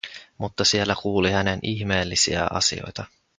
Mutta siellä kuuli hän ihmeellisiä asioita.